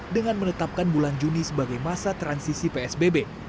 dengan menetapkan bulan juni sebagai masa transisi psbb